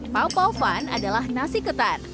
pao pao phan adalah nasi ketan